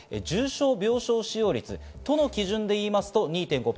重症病床使用率、都の基準でいいますと２．５％。